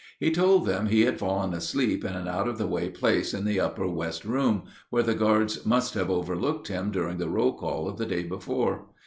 He told them he had fallen asleep in an out of the way place in the upper west room, where the guards must have overlooked him during the roll call of the day before.